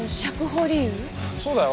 そうだよ。